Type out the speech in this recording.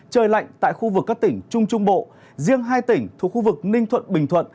trời lạnh tại khu vực các tỉnh trung trung bộ riêng hai tỉnh thuộc khu vực ninh thuận bình thuận